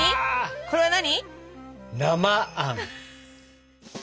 これは何？